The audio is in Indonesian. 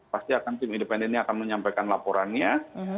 pasti akan tim independen ini akan menyampaikan laporannya